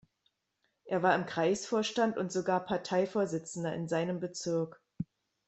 Er war im Kreisvorstand und sogar Parteivorsitzender in seinem Bezirk.